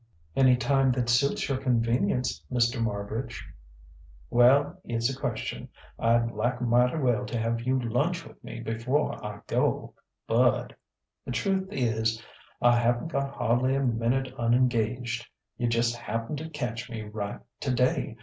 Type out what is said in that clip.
"Any time that suits your convenience, Mr. Marbridge." "Well, it's a question. I'd like mighty well to have you lunch with me before I go, but.... The truth is, I haven't got hardly a minute unengaged. You just happened to catch me right, today....